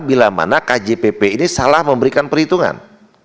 bila mana kjpp ini salah memberikan perhitungan